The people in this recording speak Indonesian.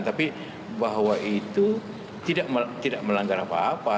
tapi bahwa itu tidak melanggar apa apa